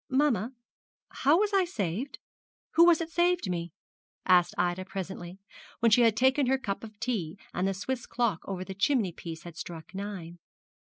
'Mamma, how was I saved? Who was it saved me?' asked Ida, presently, when she had taken her cup of tea, and the Swiss clock over the chimney piece had struck nine.